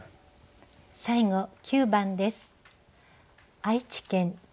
最後９番です。